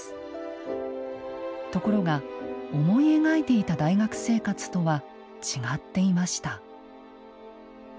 ところが思い描いていた大学生活とは違っていました。